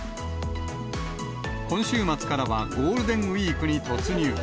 今週末からはゴールデンウィークに突入。